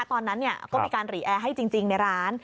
ตอนนั้นก็มีการหรี่แอร์ให้จริงในร้าน